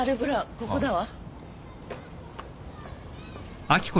ここだわ。